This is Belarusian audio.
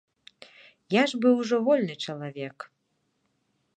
Я ж быў ужо вольны чалавек.